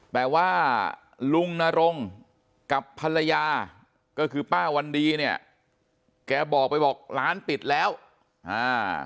แต่ว่าลุงนรงกับภรรยาก็คือป้าวันดีเนี่ยแกบอกไปบอกร้านปิดแล้วอ่า